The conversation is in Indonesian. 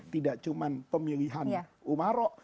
tidak hanya pemilihan umarok